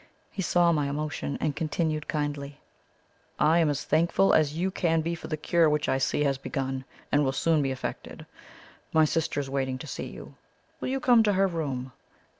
He saw my emotion, and continued kindly: "I am as thankful as you can be for the cure which I see has begun, and will soon be effected. My sister is waiting to see you. Will you come to her room?"